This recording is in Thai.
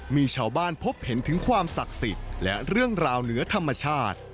มีชาวบ้านพบเห็นถึงความศักดิ์สิทธิ์และเรื่องราวเหนือธรรมชาติ